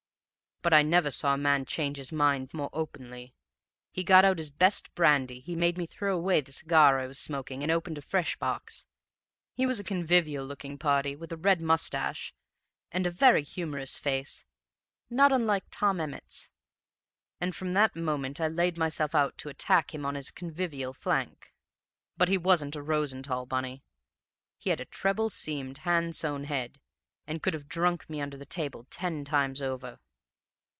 But I never saw a man change his mind more openly. He got out his best brandy, he made me throw away the cigar I was smoking, and opened a fresh box. He was a convivial looking party, with a red moustache, and a very humorous face (not unlike Tom Emmett's), and from that moment I laid myself out to attack him on his convivial flank. But he wasn't a Rosenthall, Bunny; he had a treble seamed, hand sewn head, and could have drunk me under the table ten times over.